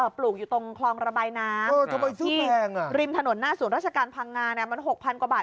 ปลูกอยู่ตรงคลองระบายน้ำริมถนนหน้าศูนย์ราชการพังงามัน๖๐๐กว่าบาท